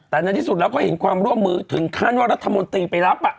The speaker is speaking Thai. แต่ในที่สุดแล้วก็เห็นความร่วมมือถึงขั้นว่ารัฐมนตรีไปรับ